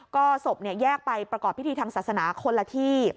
ก็ศพแยกไปประกอบพิธีทางศาสนาคนละที่